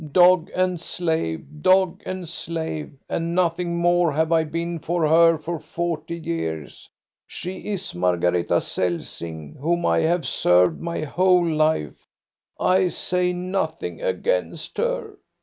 Dog and slave, dog and slave, and nothing more have I been for her for forty years. She is Margareta Celsing, whom I have served my whole life. I say nothing against her.